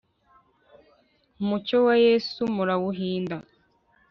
umucyo wa yesu murawuhinda